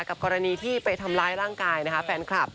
กรณีที่ไปทำร้ายร่างกายนะคะแฟนคลับ